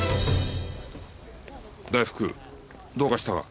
大福どうかしたか？